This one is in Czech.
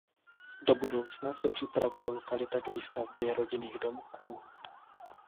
Do budoucna se připravuje lokalita k výstavbě rodinných domků.